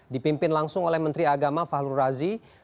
dipimpin langsung oleh menteri agama fahlur razi